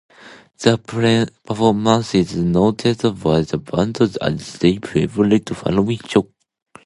The performance is noted by the band as their favorite Halloween show.